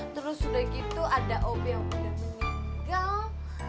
terus udah gitu ada obe yang udah meninggal